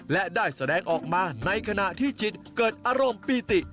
และได้แสดงออกมาในขณะที่จิตเกิดอารมณ์ปีติ